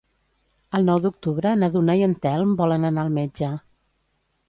El nou d'octubre na Duna i en Telm volen anar al metge.